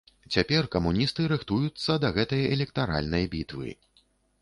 Цяпер камуністы рыхтуюцца да гэтай электаральнай бітвы.